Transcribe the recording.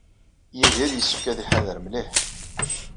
Yidir yessefk ad iḥader mliḥ.